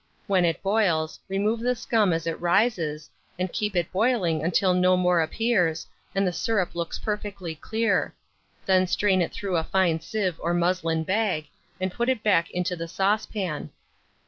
When it boils, remove the scum as it rises, and keep it boiling until no more appears, and the syrup looks perfectly clear; then strain it through a fine sieve or muslin bag, and put it back into the saucepan.